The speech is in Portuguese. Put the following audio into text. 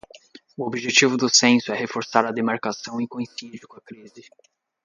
O objetivo do censo é reforçar a demarcação e coincide com a crise